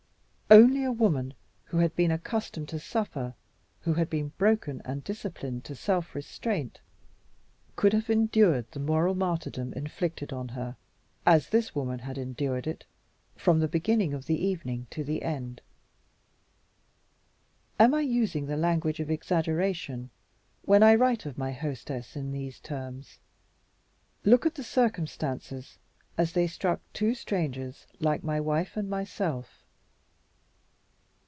Only a woman who had been accustomed to suffer, who had been broken and disciplined to self restraint, could have endured the moral martyrdom inflicted on her as this woman endured it, from the beginning of the evening to the end. Am I using the language of exaggeration when I write of my hostess in these terms? Look at the circumstances as they struck two strangers like my wife and myself.